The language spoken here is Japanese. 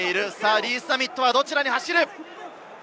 リース＝ザミットはどちらに走るか？